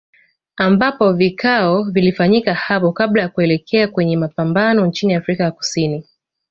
Ambapo vikao vilifanyika hapo kabla ya kuelekea kwenye mapambano nchini Afrika ya Kusini